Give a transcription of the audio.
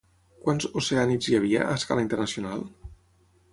Quants Oceànits hi havia a escala internacional?